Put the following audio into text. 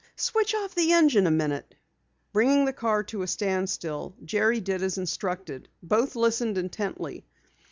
"Switch off the engine a minute." Bringing the car to a standstill, Jerry did as instructed. Both listened intently.